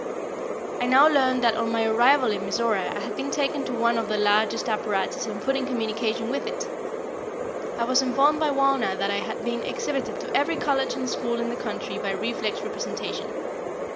I now learned that on my arrival in Mizora I had been taken to one of the largest apparatus and put in communication with it. I was informed by Wauna that I had been exhibited to every college and school in the country by reflex representation.